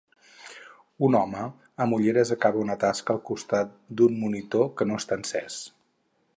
Un home amb ulleres acaba una tasca al costat d'un monitor que no està encès